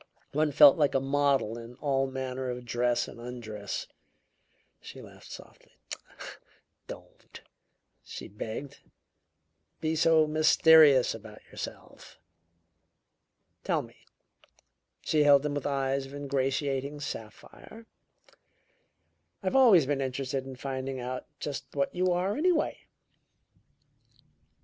One felt like a model in all manner of dress and undress. She laughed softly. "Don't," she begged, "be so mysterious about yourself! Tell me " she held him with eyes of ingratiating sapphire "I've always been interested in finding out just what you are, anyway."